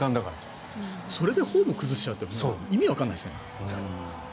それでフォーム崩しちゃうって意味わかんないよね。